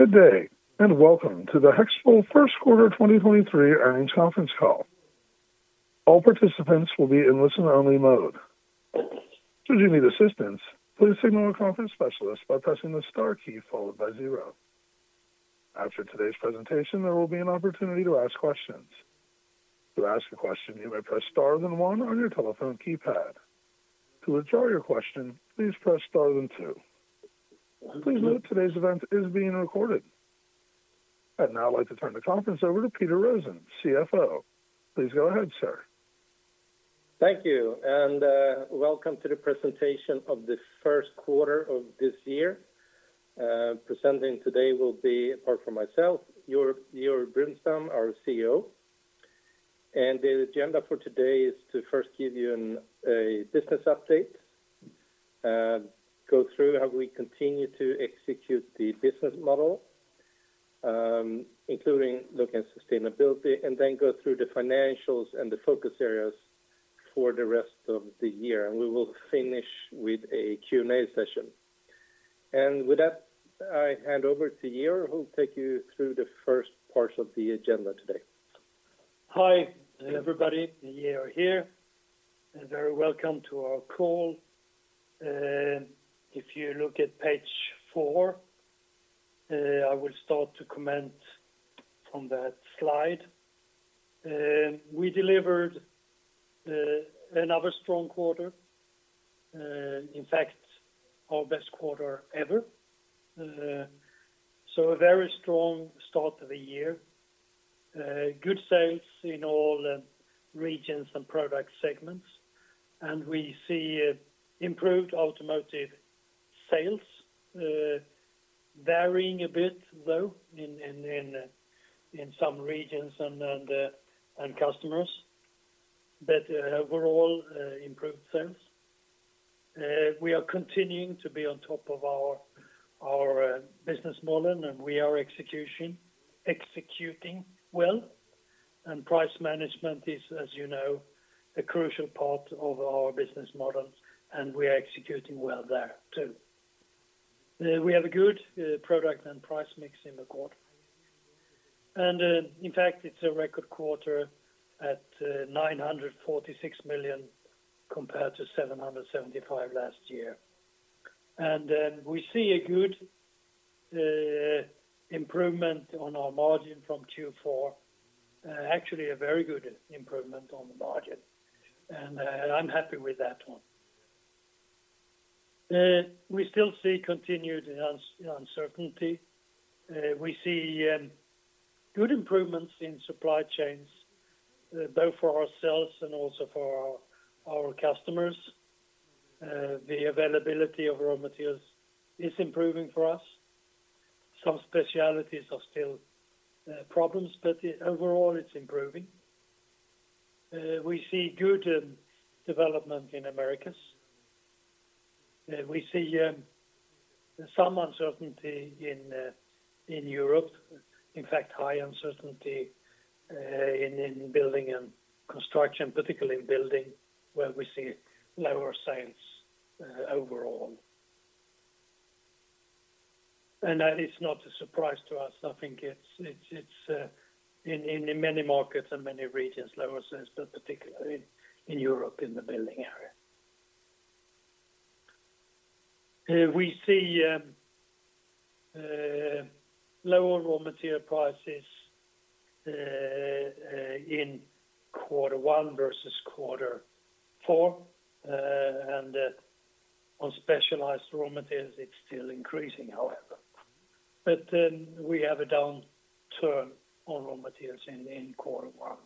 Good day, welcome to the HEXPOL first quarter 2023 earnings conference call. All participants will be in listen-only mode. Should you need assistance, please signal a conference specialist by pressing the star key followed by 0. After today's presentation, there will be an opportunity to ask questions. To ask a question, you may press Star then 1 on your telephone keypad. To withdraw your question, please press Star then 2. Please note, today's event is being recorded. I'd now like to turn the conference over to Peter Rosén, CFO. Please go ahead, sir. Thank you, welcome to the presentation of the first quarter of this year. Presenting today will be, apart from myself, Georg Brunstam, our CEO. The agenda for today is to first give you a business update, go through how we continue to execute the business model, including look at sustainability, then go through the financials and the focus areas for the rest of the year. We will finish with a Q&A session. With that, I hand over to Georg, who'll take you through the first part of the agenda today. Hi, everybody, Georg here. Very welcome to our call. If you look at page 4, I will start to comment on that slide. We delivered another strong quarter, in fact, our best quarter ever. A very strong start of the year. Good sales in all regions and product segments. We see improved automotive sales, varying a bit, though, in some regions and customers. Overall, improved sales. We are continuing to be on top of our business model, and we are executing well. Price management is, as you know, a crucial part of our business model, and we are executing well there, too. We have a good product and price mix in the quarter. In fact, it's a record quarter at 946 million compared to 775 million last year. We see a good improvement on our margin from Q4, actually a very good improvement on the margin. I'm happy with that one. We still see continued uncertainty. We see good improvements in supply chains, both for ourselves and also for our customers. The availability of raw materials is improving for us. Some specialties are still problems, but overall, it's improving. We see good development in Americas. We see some uncertainty in Europe, in fact, high uncertainty in building and construction, particularly in building, where we see lower sales overall. That is not a surprise to us. I think it's in many markets and many regions, lower sales, but particularly in Europe, in the building area. We see lower raw material prices in quarter one versus quarter four. On specialized raw materials, it's still increasing, however. We have a downturn on raw materials in quarter one.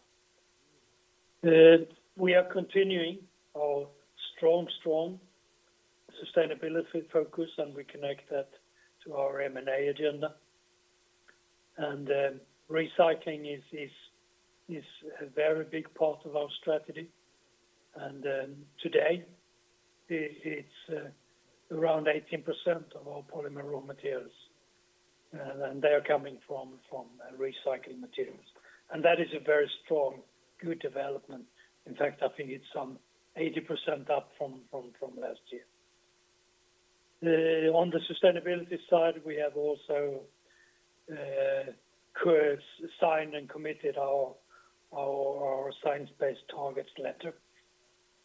We are continuing our strong sustainability focus, and we connect that to our M&A agenda. Recycling is a very big part of our strategy. Today, it's around 18% of our polymer raw materials, and they are coming from recycling materials. That is a very strong, good development. In fact, I think it's some 80% up from last year. On the sustainability side, we have also signed and committed our science-based targets letter,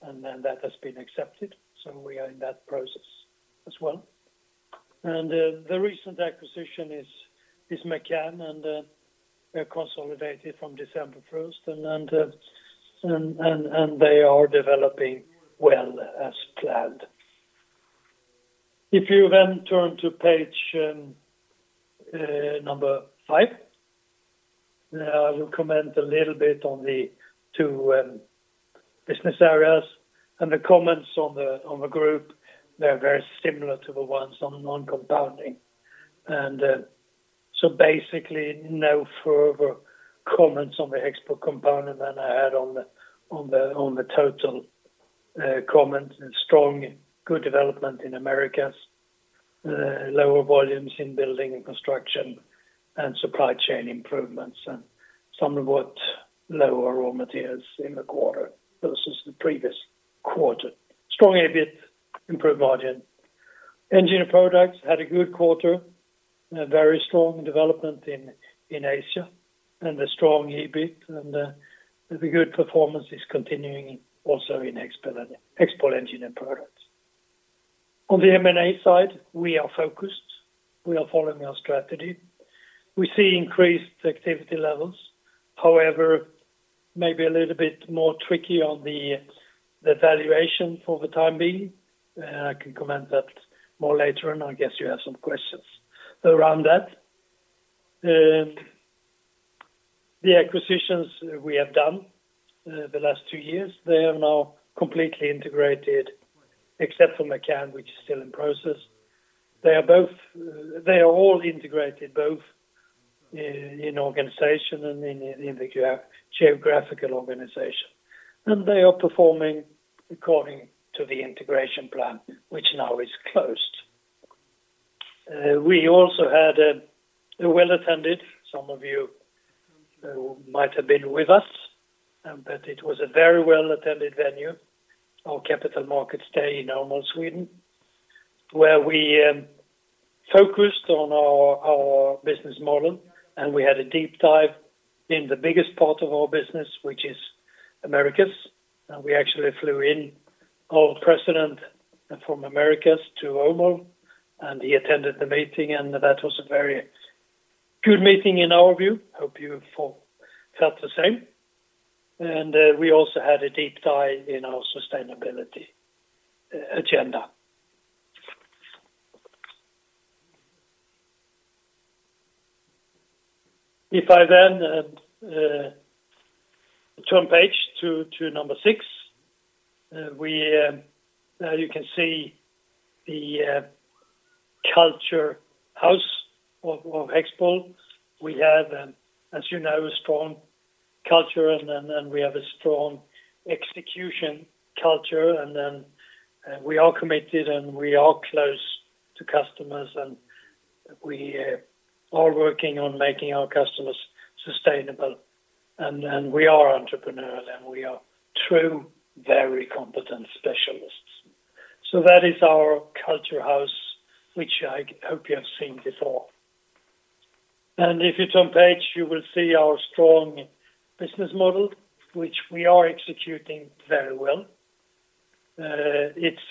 that has been accepted. We are in that process as well. The recent acquisition is McCann Plastics, they're consolidated from December 1st, they are developing well as planned. If you then turn to page number five, I will comment a little bit on the two business areas. The comments on the group, they're very similar to the ones on non-compounding. No further comments on the HEXPOL component than I had on the total comment. A strong, good development in Americas. Lower volumes in building and construction and supply chain improvements and somewhat lower raw materials in the quarter versus the previous quarter. Strong EBIT, improved margin. Engineered Products had a good quarter, a very strong development in Asia, and a strong EBIT and the good performance is continuing also in Export Engineered Products. On the M&A side, we are focused, we are following our strategy. We see increased activity levels. However, maybe a little bit more tricky on the valuation for the time being. I can comment that more later on. I guess you have some questions around that. The acquisitions we have done the last two years, they are now completely integrated, except for McCann, which is still in process. They are all integrated, both in organization and in the geographical organization. They are performing according to the integration plan, which now is closed. We also had a well-attended, some of you who might have been with us. It was a very well-attended venue, our Capital Markets Day in Åmål, Sweden, where we focused on our business model, and we had a deep dive in the biggest part of our business, which is Americas. We actually flew in our president from Americas to Åmål. He attended the meeting. That was a very good meeting in our view. Hope you have all felt the same. We also had a deep dive in our sustainability agenda. If I then turn page to number six, we, you can see the culture house of HEXPOL. We have, as you know, a strong culture and we have a strong execution culture. We are committed, and we are close to customers, and we are all working on making our customers sustainable. We are entrepreneurial, and we are true, very competent specialists. That is our culture house, which I hope you have seen before. If you turn page, you will see our strong business model, which we are executing very well. It's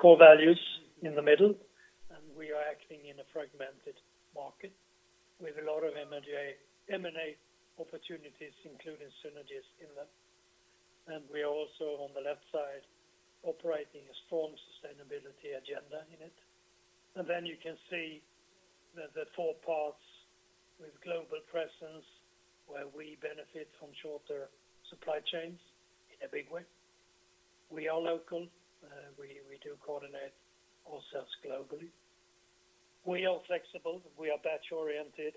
core values in the middle, and we are acting in a fragmented market with a lot of M&A opportunities, including synergies in that. We are also, on the left side, operating a strong sustainability agenda in it. You can see the four parts with global presence, where we benefit from shorter supply chains in a big way. We are local. We do coordinate our sales globally. We are flexible, we are batch-oriented.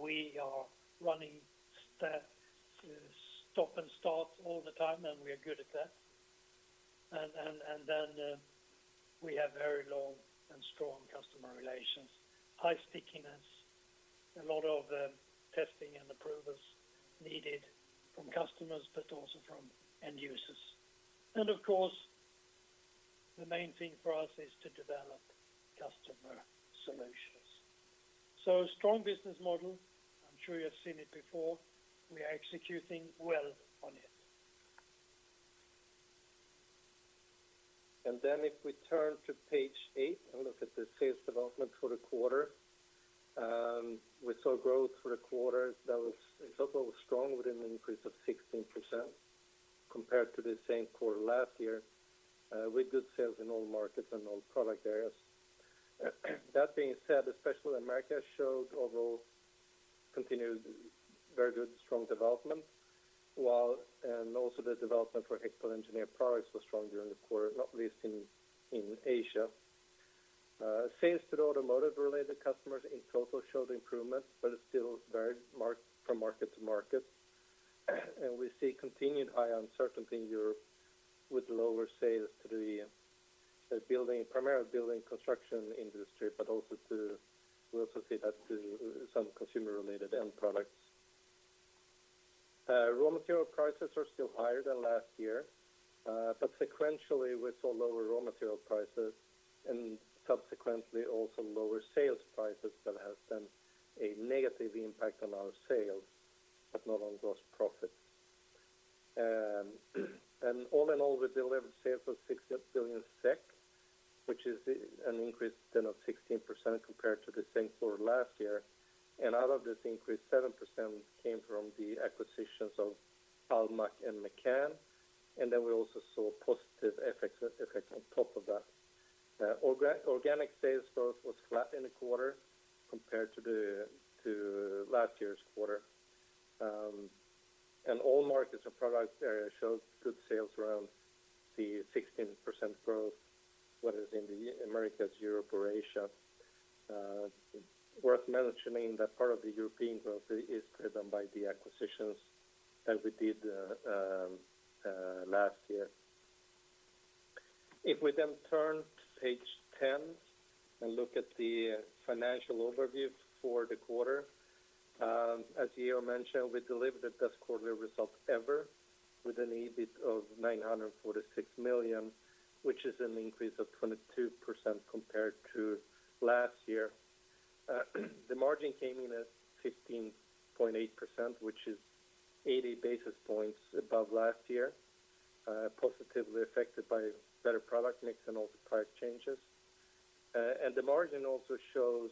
We are running stop and start all the time, and we are good at that. Then we have very long and strong customer relations, high stickiness, a lot of testing and approvals needed from customers, but also from end users. Of course, the main thing for us is to develop customer solutions. A strong business model. I'm sure you have seen it before. We are executing well on it. If we turn to page 8 and look at the sales development for the quarter. We saw growth for the quarter that was strong with an increase of 16% compared to the same quarter last year, with good sales in all markets and all product areas. That being said, especially America showed overall continued very good, strong development, and also the development for HEXPOL Engineered Products was strong during the quarter, not least in Asia. Sales to the automotive-related customers in total showed improvements, but it's still varied from market to market. We see continued high uncertainty in Europe with lower sales to the primarily building construction industry, but we also see that to some consumer-related end products. Raw material prices are still higher than last year, but sequentially, we saw lower raw material prices and subsequently also lower sales prices that has then a negative impact on our sales, but not on gross profit. All in all, we delivered sales of 6 billion SEK, which is an increase then of 16% compared to the same quarter last year. Out of this increase, 7% came from the acquisitions of Almaak and McCann. We also saw a positive FX-effect on top of that. Organic sales growth was flat in the quarter compared to last year's quarter. All markets and product areas showed good sales around the 16% growth, whether it's in the Americas, Europe, or Asia. Worth mentioning that part of the European growth is driven by the acquisitions that we did last year. Turn to page 10 and look at the financial overview for the quarter. As Geo mentioned, we delivered the best quarterly result ever with an EBIT of 946 million, which is an increase of 22% compared to last year. The margin came in at 15.8%, which is 80 basis points above last year, positively affected by better product mix and also price changes. The margin also shows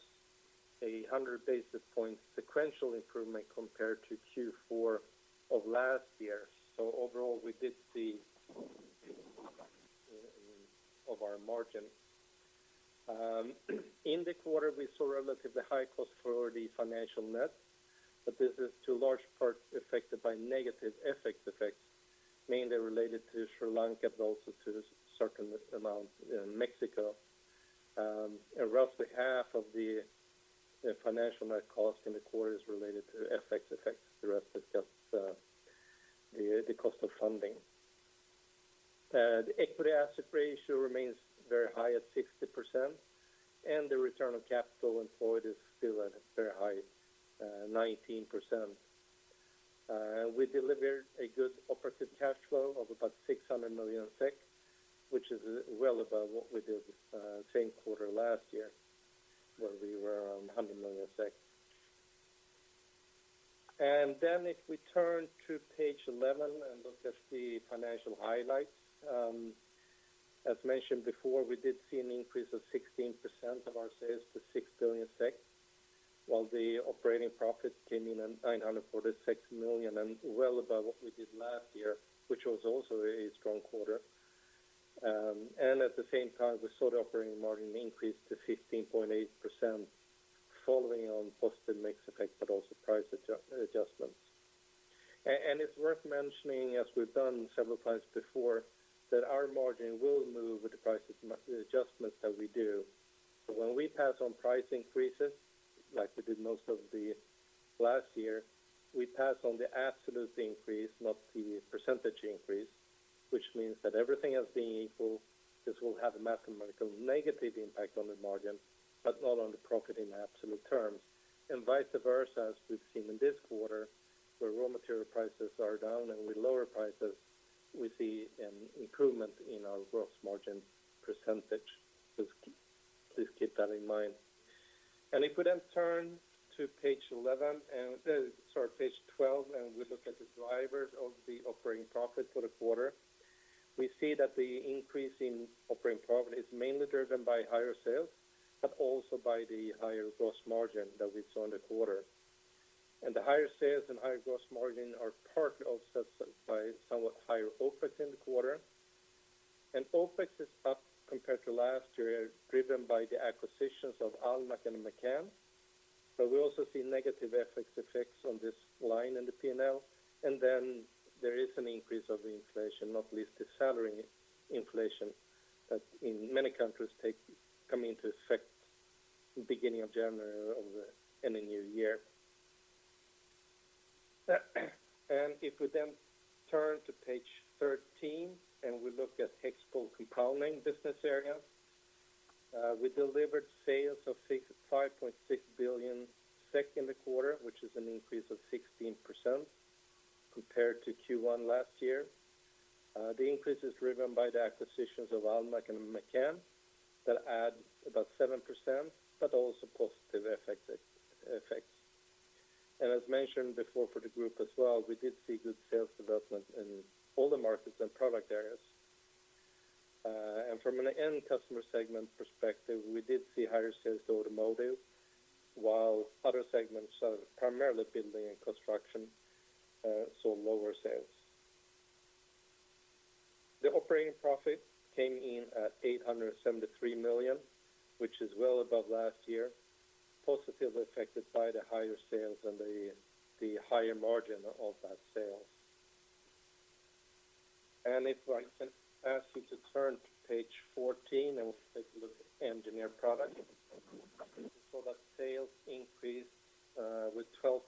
100 basis points sequential improvement compared to Q4 of last year. Overall, we did see of our margin. In the quarter, we saw relatively high cost for the financial net, this is to large part affected by negative FX effects, mainly related to Sri Lanka, but also to certain amount in Mexico. Roughly half of the financial net cost in the quarter is related to FX effects. The rest is just the cost of funding. The equity asset ratio remains very high at 60%, and the return on capital employed is still at a very high 19%. We delivered a good operative cash flow of about 600 million SEK, which is well above what we did same quarter last year, where we were around 100 million. If we turn to page 11 and look at the financial highlights, as mentioned before, we did see an increase of 16% of our sales to 6 billion, while the operating profit came in at 946 million and well above what we did last year, which was also a strong quarter. At the same time, we saw the operating margin increase to 15.8% following on positive mix effect, but also price adjustments. It's worth mentioning, as we've done several times before, that our margin will move with the price adjustments that we do. When we pass on price increases, like we did most of the last year, we pass on the absolute increase, not the percentage increase, which means that everything else being equal, this will have a mathematical negative impact on the margin, but not on the profit in absolute terms. Vice versa, as we've seen in this quarter, where raw material prices are down and we lower prices, we see an improvement in our gross margin percentage. Please keep that in mind. If we then turn to page 11 and, sorry, page 12, and we look at the drivers of the operating profit for the quarter, we see that the increase in operating profit is mainly driven by higher sales, but also by the higher gross margin that we saw in the quarter. The higher sales and higher gross margin are part offset by somewhat higher OpEx in the quarter. OpEx is up compared to last year, driven by the acquisitions of almaak and McCann. We also see negative FX effects on this line in the P&L. Then there is an increase of inflation, not least the salary inflation that in many countries come into effect beginning of January in the new year. If we then turn to page 13 and we look at HEXPOL Compounding business area, we delivered sales of 5.6 billion SEK in the quarter, which is an increase of 16% compared to Q1 last year. The increase is driven by the acquisitions of almaak and McCann that add about 7%, but also positive FX effects. As mentioned before for the group as well, we did see good sales development in all the markets and product areas. From an end customer segment perspective, we did see higher sales to automotive, while other segments are primarily building and construction, saw lower sales. The operating profit came in at 873 million, which is well above last year, positively affected by the higher sales and the higher margin of that sales. If I can ask you to turn to page 14 and take a look at Engineered Products. We saw that sales increased with 12%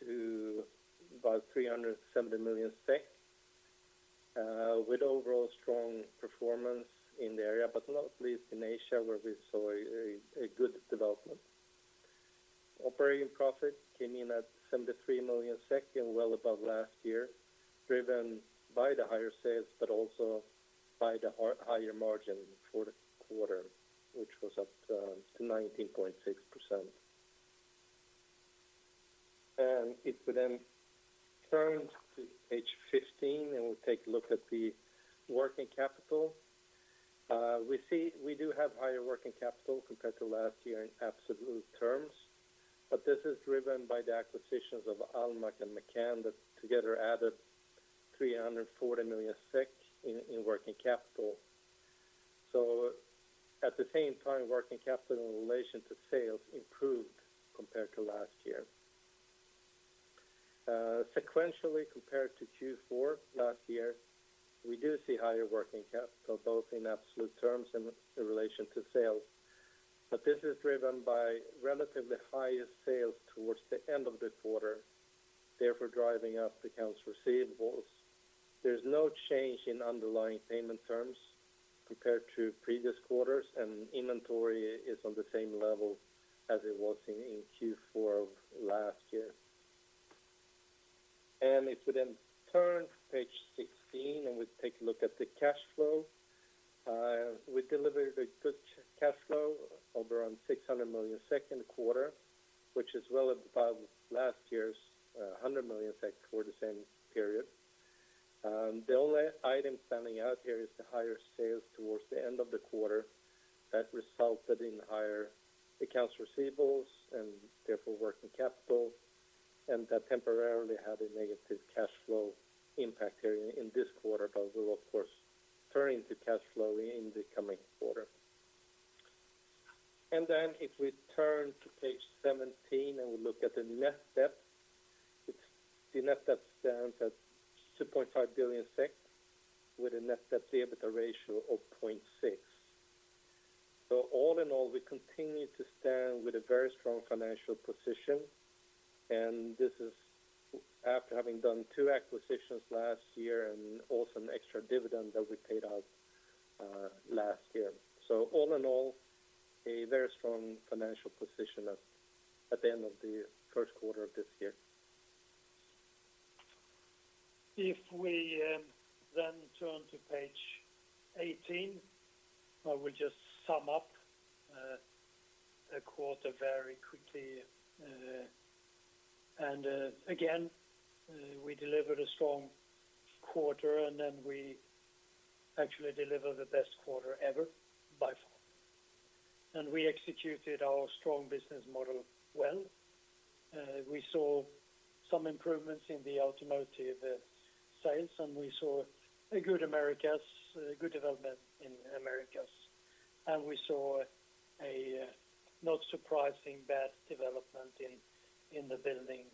to about 370 million, with overall strong performance in the area, but not least in Asia, where we saw a good development. Operating profit came in at 73 million and well above last year, driven by the higher sales but also by the higher margin for the quarter, which was up to 19.6%. If we then turn to page 15 and we take a look at the working capital. We see we do have higher working capital compared to last year in absolute terms, but this is driven by the acquisitions of almaak and McCann that together added 340 million SEK in working capital. At the same time, working capital in relation to sales improved compared to last year. Sequentially compared to Q4 last year, we do see higher working capital, both in absolute terms and in relation to sales. This is driven by relatively highest sales towards the end of the quarter, therefore driving up accounts receivables. There's no change in underlying payment terms compared to previous quarters, and inventory is on the same level as it was in Q4 of last year. If we turn to page 16 and we take a look at the cash flow. We delivered a good cash flow of around 600 million second quarter, which is well above last year's 100 million for the same period. The only item standing out here is the higher sales towards the end of the quarter that resulted in higher accounts receivables and therefore working capital, that temporarily had a negative cash flow impact here in this quarter. We will of course turn into cash flow in the coming quarter. If we turn to page 17 and we look at the net debt, the net debt stands at 2.5 billion, with a net debt-to-EBITDA ratio of 0.6. All in all, we continue to stand with a very strong financial position, and this is after having done 2 acquisitions last year and also an extra dividend that we paid out last year. All in all, a very strong financial position at the end of the first quarter of this year. If we then turn to page 18, I will just sum up the quarter very quickly. Again, we delivered a strong quarter, and then we actually delivered the best quarter ever by far. We executed our strong business model well. We saw some improvements in the automotive sales, and we saw a good Americas, good development in Americas. We saw a not surprising bad development in the building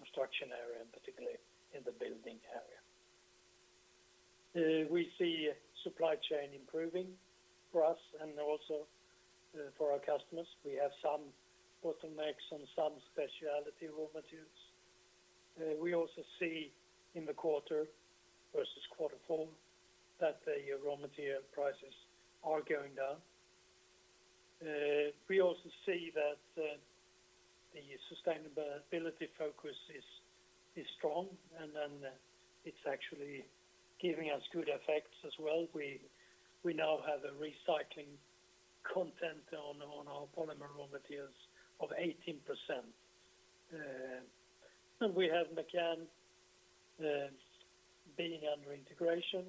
construction area, and particularly in the building area. We see supply chain improving for us and also for our customers. We have some bottlenecks on some specialty raw materials. We also see in the quarter versus quarter 4 that the raw material prices are going down. We also see that the sustainability focus is strong, and then it's actually giving us good effects as well. We now have a recycling content on our polymer raw materials of 18%. And we have McCann being under integration.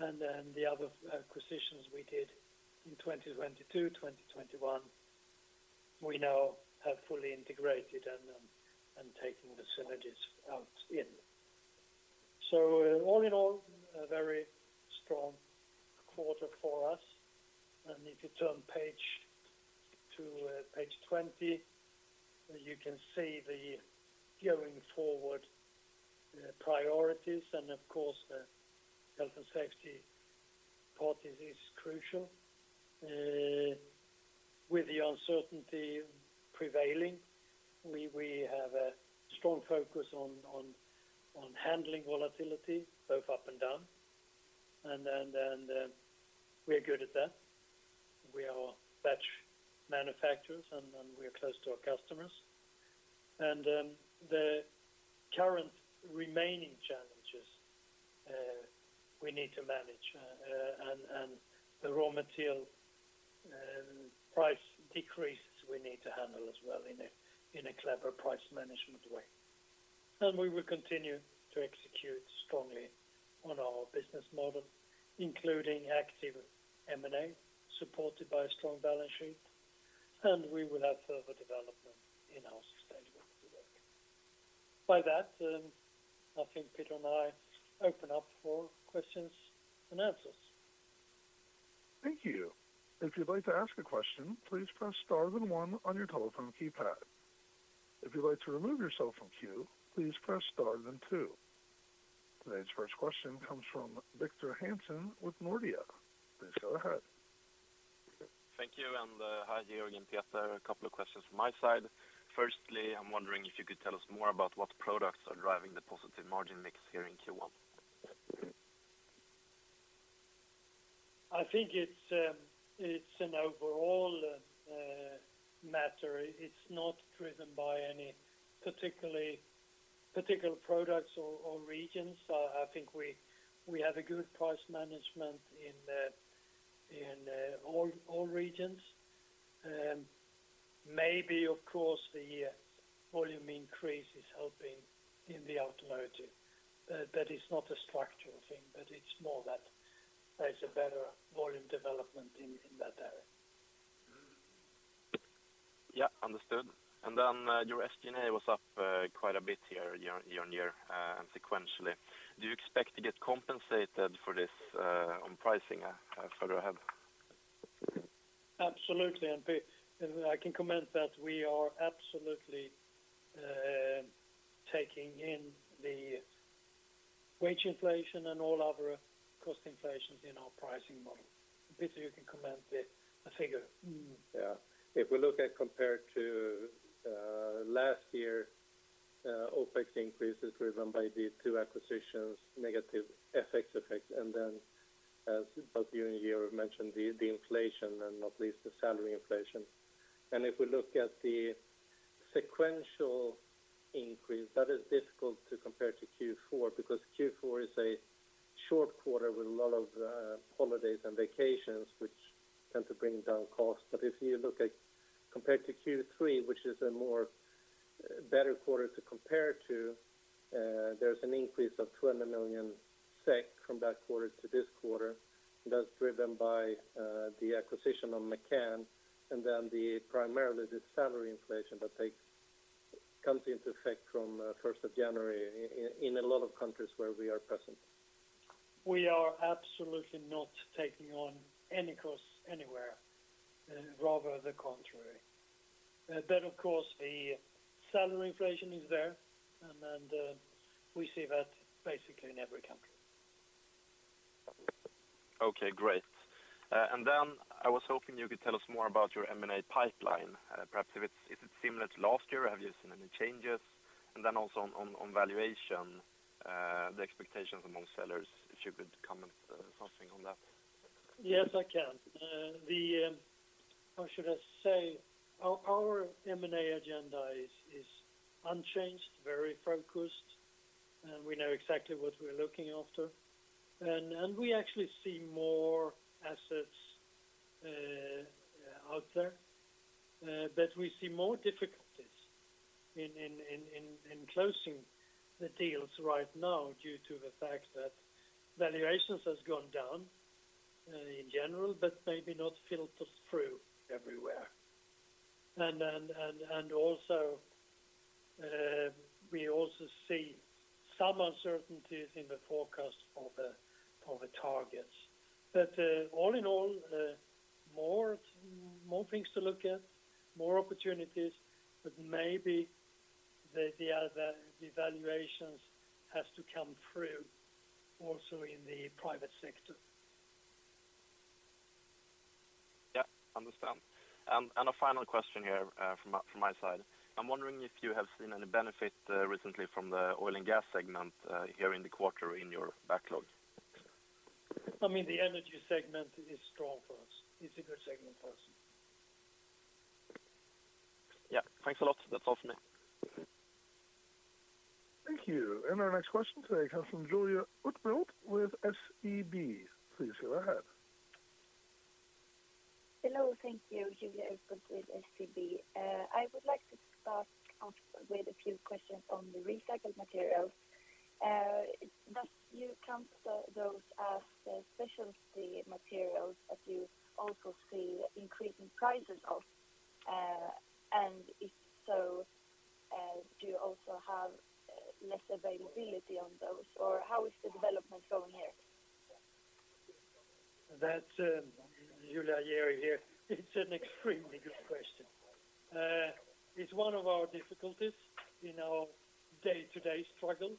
The other acquisitions we did in 2022, 2021, we now have fully integrated and taking the synergies out, in. All in all, a very strong quarter for us. If you turn page to page 20, you can see the going forward priorities. Of course, the health and safety part is crucial. With the uncertainty prevailing, we have a strong focus on handling volatility both up and down. We are good at that. We are batch manufacturers and we are close to our customers. The current remaining challenges we need to manage, and the raw material price decreases we need to handle as well in a clever price management way. We will continue to execute strongly on our business model, including active M&A, supported by a strong balance sheet. We will have further development in our sustainability work. By that, I think Peter and I open up for questions and answers. Thank you. If you'd like to ask a question, please press star then 1 on your telephone keypad. If you'd like to remove yourself from queue, please press star then 2. Today's first question comes from Victor Hansen with Nordea. Please go ahead. Thank you. Hi Georg, Peter. A couple of questions from my side. Firstly, I'm wondering if you could tell us more about what products are driving the positive margin mix here in Q1? I think it's an overall matter. It's not driven by any particular products or regions. I think we have a good price management in all regions. Maybe of course the volume increase is helping in the automotive. That is not a structural thing, but it's more that there's a better volume development in that area. Yeah. Understood. Then, your SG&A was up quite a bit here year-on-year and sequentially. Do you expect to get compensated for this on pricing further ahead? Absolutely. I can comment that we are absolutely taking in the Wage inflation and all other cost inflations in our pricing model. Peter, you can comment the figure. If we look at compared to last year, OpEx increase is driven by the two acquisitions, negative FX effects, and then as both you and Georg mentioned, the inflation and not least the salary inflation. If we look at the sequential increase, that is difficult to compare to Q4 because Q4 is a short quarter with a lot of holidays and vacations, which tend to bring down costs. If you look at compared to Q3, which is a more better quarter to compare to, there's an increase of 20 million SEK from that quarter to this quarter. That's driven by the acquisition of McCann and then the primarily the salary inflation that comes into effect from 1st of January in a lot of countries where we are present. We are absolutely not taking on any costs anywhere, rather the contrary. Of course, the salary inflation is there, and then we see that basically in every country. Okay, great. I was hoping you could tell us more about your M&A pipeline. Perhaps if it's similar to last year, have you seen any changes? Also on valuation, the expectations among sellers, if you could comment something on that. Yes, I can. How should I say? Our M&A agenda is unchanged, very focused, and we know exactly what we're looking after. We actually see more assets out there, but we see more difficulties in closing the deals right now due to the fact that valuations has gone down in general, but maybe not filtered through everywhere. Also, we also see some uncertainties in the forecast of a targets. All in all, more things to look at, more opportunities, but maybe the valuations has to come through also in the private sector. Yeah, understand. A final question here, from my, from my side. I'm wondering if you have seen any benefit, recently from the oil and gas segment, here in the quarter in your backlog? I mean, the energy segment is strong for us. It's a good segment for us. Yeah. Thanks a lot. That's all for me. Thank you. Our next question today comes from Julia Utbult with SEB. Please go ahead. Hello. Thank you. Julia Utbult with SEB. I would like to start off with a few questions on the recycled materials. does you count those as the specialty materials that you also see increasing prices of? If so, do you also have less availability on those? How is the development going here? That's, Julia, Georg here. It's an extremely good question. It's one of our difficulties in our day-to-day struggle.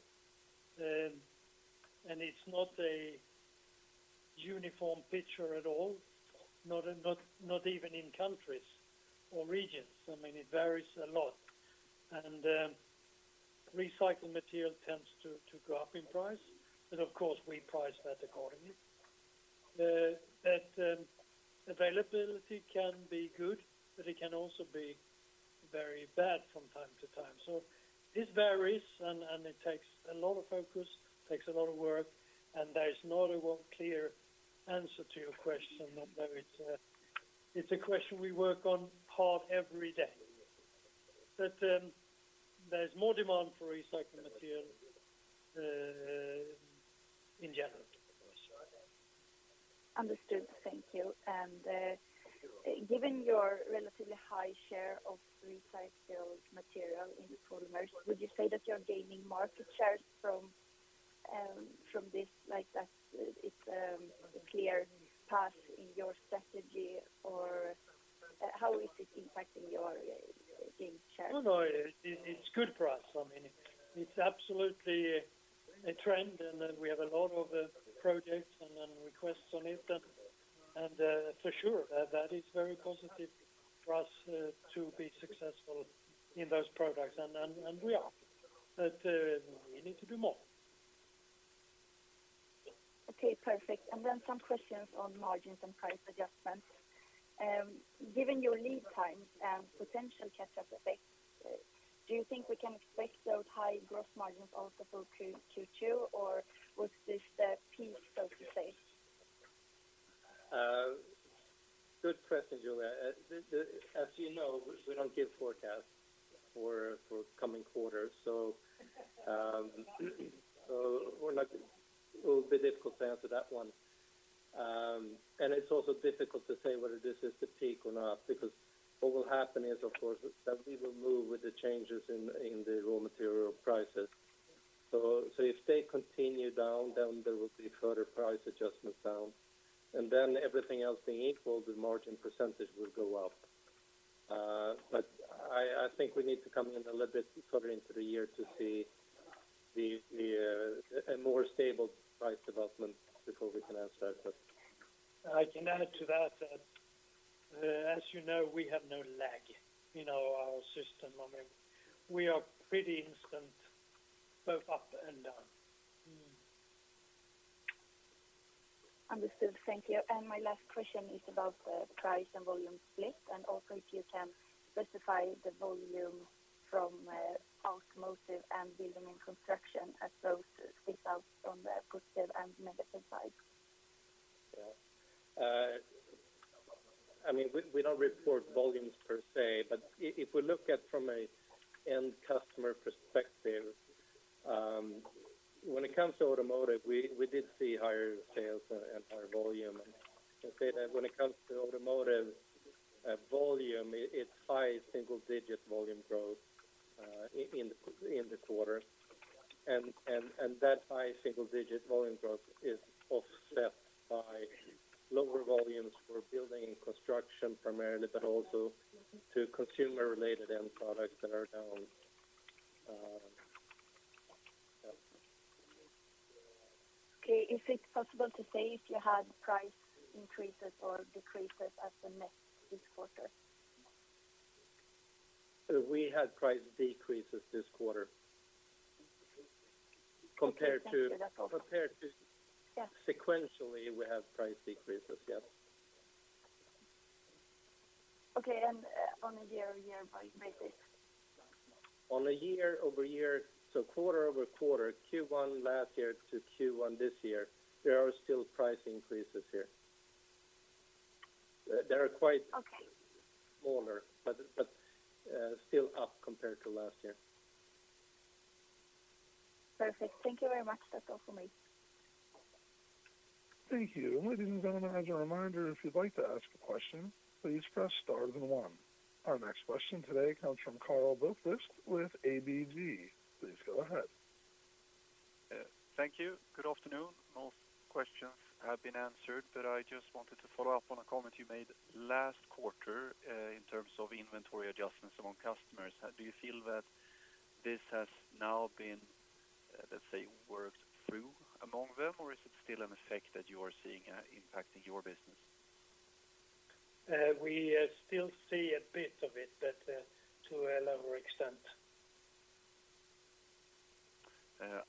It's not a uniform picture at all, not even in countries or regions. I mean, it varies a lot. Recycled material tends to go up in price, and of course, we price that accordingly. That availability can be good, but it can also be very bad from time to time. This varies and it takes a lot of focus, takes a lot of work, and there's not a one clear answer to your question. Though it's a question we work on hard every day. There's more demand for recycled material in general. Understood. Thank you. Given your relatively high share of recycled material in polymers, would you say that you're gaining market shares from from this? Like that's it's a clear path in your strategy, or how is it impacting your gain share? No, no. It's good for us. I mean, it's absolutely a trend, we have a lot of projects and requests on it. For sure, that is very positive for us to be successful in those products. We are. We need to do more. Okay, perfect. Some questions on margins and price adjustments. Given your lead time and potential catch-up effects, do you think we can expect those high growth margins also for Q2, or was this the peak, so to say? Good question, Julia. As you know, we don't give forecasts for coming quarters. It would be difficult to answer that one. It's also difficult to say whether this is the peak or not, because what will happen is, of course, that we will move with the changes in the raw material prices. If they continue down, then there will be further price adjustments down. Then everything else being equal, the margin percentage will go up. I think we need to come in a little bit further into the year to see a more stable price development before we can answer that. I can add to that, as you know, we have no lag in our system. I mean, we are pretty instant, both up and down. Understood. Thank you. My last question is about the price and volume split, and also if you can specify the volume from automotive and building and construction as opposed to details from the positive and negative side. I mean, we don't report volumes per se, but if we look at from an end customer perspective, when it comes to automotive, we did see higher sales and higher volume. I'd say that when it comes to automotive, volume, it's high single digit volume growth in the quarter. That high single digit volume growth is offset by lower volumes for building and construction primarily, but also to consumer-related end products that are down. Okay. Is it possible to say if you had price increases or decreases at the net this quarter? We had price decreases this quarter compared to- Okay. Thank you. That's all. Compared to- Yeah. Sequentially, we have price decreases. Yes. Okay. On a year-over-year price basis? On a year-over-year, quarter-over-quarter, Q1 last year to Q1 this year, there are still price increases here. They are Okay. Smaller, but still up compared to last year. Perfect. Thank you very much. That's all for me. Thank you. Ladies and gentlemen, as a reminder, if you'd like to ask a question, please press star then one. Our next question today comes from Karl Bokvist with ABG. Please go ahead. Thank you. Good afternoon. Most questions have been answered. I just wanted to follow up on a comment you made last quarter in terms of inventory adjustments among customers. Do you feel that this has now been, let's say, worked through among them, or is it still an effect that you are seeing impacting your business? We still see a bit of it, but to a lower extent.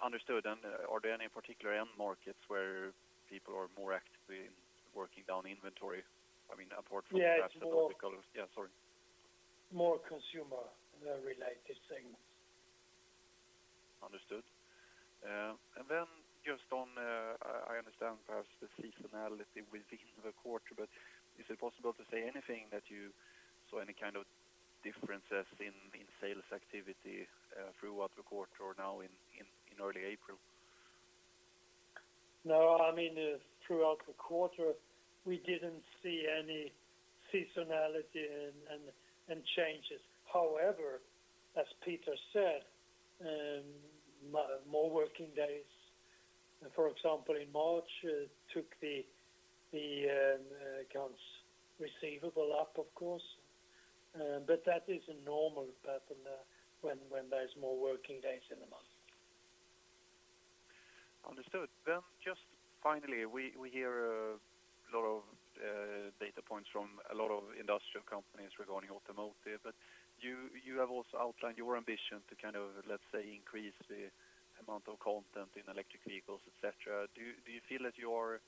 Understood. Are there any particular end markets where people are more actively working down inventory? I mean. Yeah, it's. Yeah, sorry. More consumer-related segments. Understood. Just on, I understand perhaps the seasonality within the quarter, but is it possible to say anything that you saw any kind of differences in sales activity throughout the quarter or now in early April? No. I mean, throughout the quarter, we didn't see any seasonality and changes. However, as Peter said, more working days, for example, in March, took the accounts receivable up, of course. That is a normal pattern, when there's more working days in the month. Understood. Just finally, we hear a lot of data points from a lot of industrial companies regarding automotive, but you have also outlined your ambition to kind of, let's say, increase the amount of content in electric vehicles, et cetera. Do you feel that you're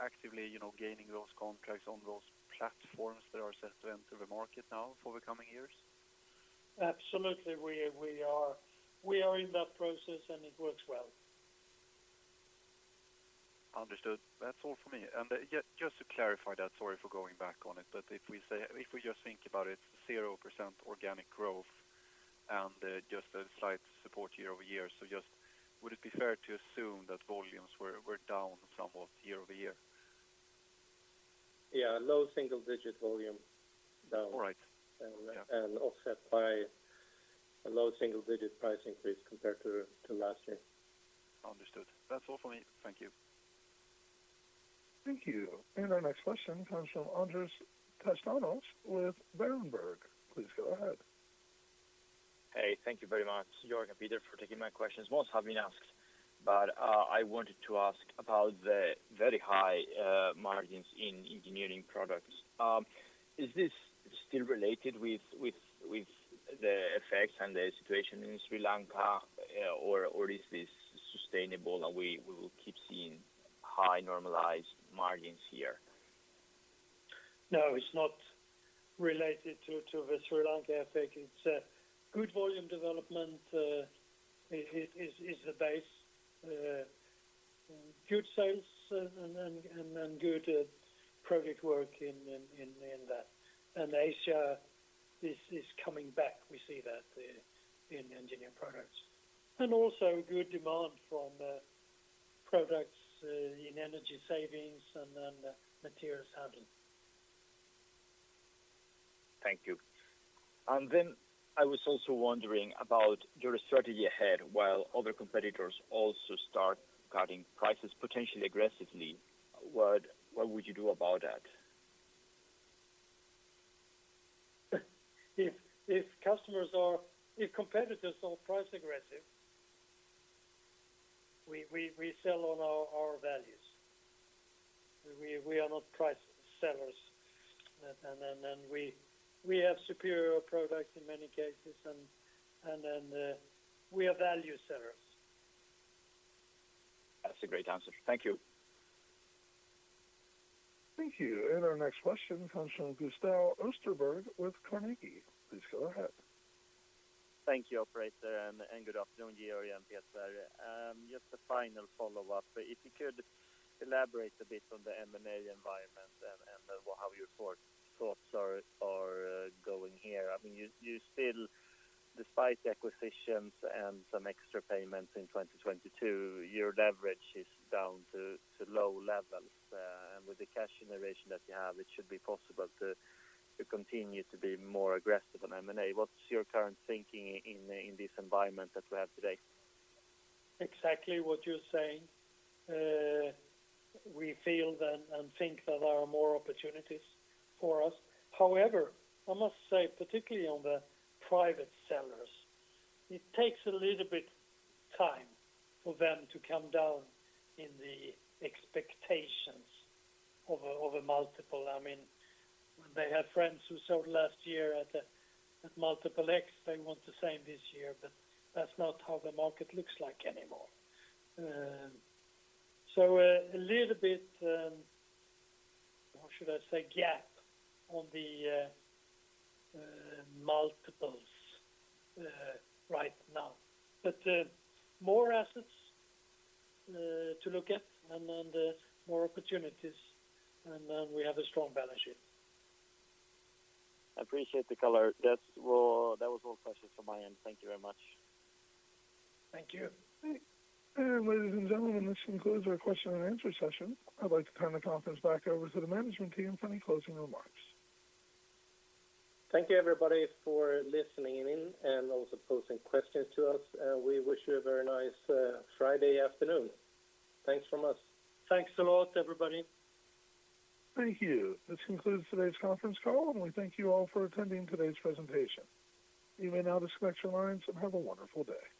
actively, you know, gaining those contracts on those platforms that are set to enter the market now for the coming years? Absolutely. We are in that process, and it works well. Understood. That's all for me. Yeah, just to clarify that, sorry for going back on it, but if we just think about it, 0% organic growth and just a slight support year-over-year. Just would it be fair to assume that volumes were down somewhat year-over-year? Yeah, low single digit volume down. All right. Yeah. offset by a low single digit price increase compared to last year. Understood. That's all for me. Thank you. Thank you. Our next question comes from Andres Castanos-Mollor with Berenberg. Please go ahead. Hey, thank you very much, Georg and Peter, for taking my questions. Most have been asked, I wanted to ask about the very high margins in Engineered Products. Is this still related with the effects and the situation in Sri Lanka, or is this sustainable, and we will keep seeing high normalized margins here? No, it's not related to the Sri Lanka effect. It's good volume development, is the base. Good sales and good project work in the... Asia is coming back. We see that in HEXPOL Engineered Products. Also good demand from products in energy savings and materials handling. Thank you. I was also wondering about your strategy ahead while other competitors also start cutting prices potentially aggressively. What would you do about that? If competitors are price aggressive, we sell on our values. We are not price sellers. Then we have superior products in many cases and then we are value sellers. That's a great answer. Thank you. Thank you. Our next question comes from Gustav Österberg with Carnegie. Please go ahead. Thank you, operator, and good afternoon Georg and Peter. Just a final follow-up. If you could elaborate a bit on the M&A environment and how your thoughts are going here. I mean, you still, despite the acquisitions and some extra payments in 2022, your leverage is down to low levels. And with the cash generation that you have, it should be possible to continue to be more aggressive on M&A. What's your current thinking in this environment that we have today? Exactly what you're saying. We feel and think that there are more opportunities for us. I must say, particularly on the private sellers, it takes a little bit time for them to come down in the expectations of a multiple. I mean, when they have friends who sold last year at multiple X, they want the same this year, that's not how the market looks like anymore. A little bit, how should I say, gap on the multiples right now. More assets to look at and then the more opportunities, and then we have a strong balance sheet. I appreciate the color. That's all. That was all questions from my end. Thank you very much. Thank you. Ladies and gentlemen, this concludes our question and answer session. I'd like to turn the conference back over to the management team for any closing remarks. Thank you, everybody, for listening in and also posing questions to us. We wish you a very nice Friday afternoon. Thanks from us. Thanks a lot, everybody. Thank you. This concludes today's conference call, and we thank you all for attending today's presentation. You may now disconnect your lines and have a wonderful day.